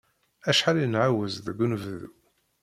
Acḥal i nɛawez deg unebdu.